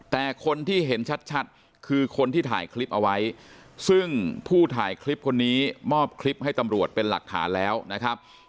แต่คนที่เห็นชัดคือคนที่ถ่ายคลิปเอาไว้ซึ่งผู้ถ่ายคลิปคนนี้มอบคลิปให้ตำรวจเป็นหลักฐานแล้วนะครับ